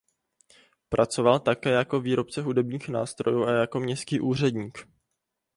Pracoval také jako výrobce hudebních nástrojů a jako městský úředník.